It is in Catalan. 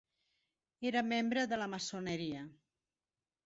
Era membre de la maçoneria.